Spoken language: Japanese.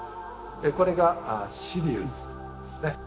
これがシリウスですね。